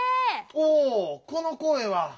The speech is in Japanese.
おおこのこえは。